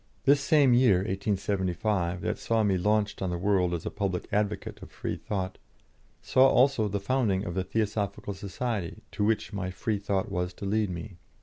This same year (1875) that saw me launched on the world as a public advocate of Freethought, saw also the founding of the Theosophical Society to which my Freethought was to lead me.